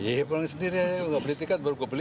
iya pulang sendiri aja nggak beli tiket baru gue beliin